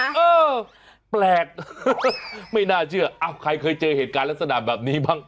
เออแปลกไม่น่าเชื่ออ้าวใครเคยเจอเหตุการณ์ลักษณะแบบนี้บ้าง